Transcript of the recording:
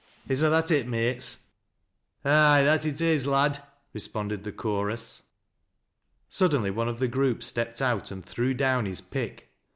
Is na that it, mates? "" Ay, that it is, ad !" responded the chorus. Suddenly one of the group stepped out and threw down his pick.